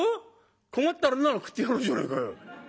困ったのなら食ってやろうじゃねえかよ」。